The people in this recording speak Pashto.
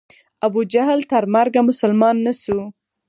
ابو جهل تر مرګه مسلمان نه سو.